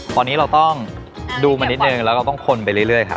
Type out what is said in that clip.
ตอนนี้เราต้องดูมันนิดหนึ่งแล้วก็ต้องคนไปเรื่อยเรื่อยครับ